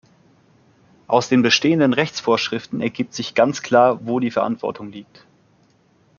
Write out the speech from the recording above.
Aus den bestehenden Rechtsvorschriften ergibt sich ganz klar, wo die Verantwortung liegt.